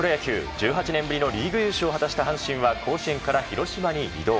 １８年ぶりのリーグ優勝を果たした阪神は甲子園から広島に移動。